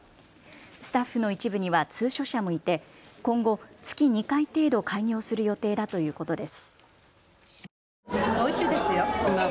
スタッフの一部には通所者もいて今後、月２回程度開業する予定だということです。